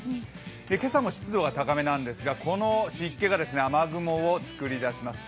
今朝も湿度が高めなんですけれども、この湿気が、雨雲を作り出します。